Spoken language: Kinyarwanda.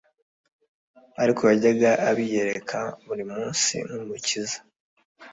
Ariko yajyaga abiyereka buri munsi nk'Umukiza,